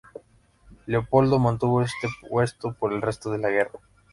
Leopoldo mantuvo este puesto por el resto de la guerra.